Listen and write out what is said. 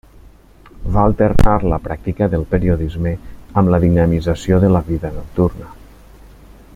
Va alternar la pràctica del periodisme amb la dinamització de la vida nocturna.